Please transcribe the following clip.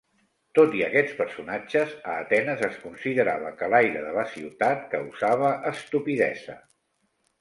Tot i aquests personatges, a Atenes es considerava que l'aire de la ciutat causava estupidesa.